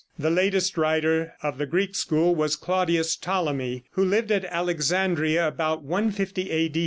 The latest writer of the Greek school was Claudius Ptolemy, who lived at Alexandria about 150 A.